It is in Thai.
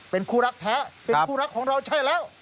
เป็นคู่รักแท้เป็นคู่รักของเราใช่แล้ว